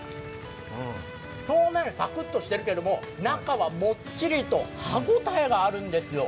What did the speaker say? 表面サクッとしているけれど中はモチッと歯応えがあるんですよ。